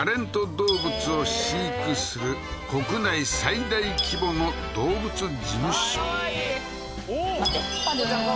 動物を飼育する国内最大規模の動物事務所おっ！